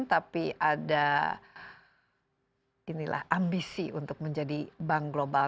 tapi ada ambisi untuk menjadi bank global